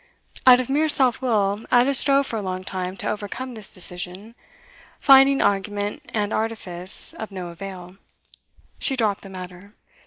Out of mere self will Ada strove for a long time to overcome this decision; finding argument and artifice of no avail, she dropped the matter.